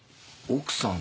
奥さん。